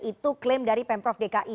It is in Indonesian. itu klaim dari pemprov dki